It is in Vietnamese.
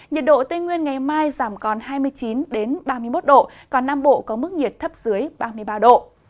nhiệt độ tây nguyên ngày mai giảm còn hai mươi chín ba mươi một độ còn nam bộ có mức nhiệt thấp dưới ba mươi ba độ